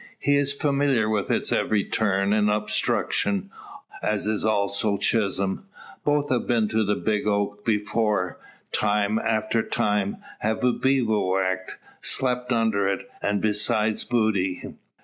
He is familiar with its every turn and obstruction, as is also Chisholm. Both have been to the big oak before, time after time; have bivouacked, slept under it, and beside booty.